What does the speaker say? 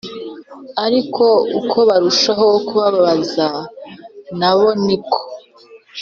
Ariko uko barushagaho kubababaza na bo ni ko